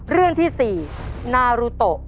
เรื่องที่๔นารุโต